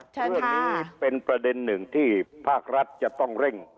เรื่องนี้เป็นประเด็นหนึ่งที่ภาครัฐจะต้องเร่ง